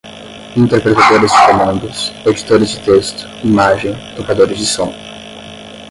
interpretadores de comandos, editores de texto, imagem, tocadores de som